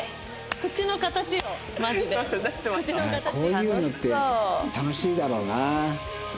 こういうのって楽しいだろうな。